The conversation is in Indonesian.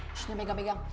ssst udah pegang pegang